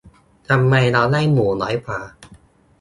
ทำไมเราได้หมูน้อยกว่า